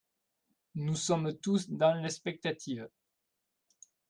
Nous sommes tous dans l’expectative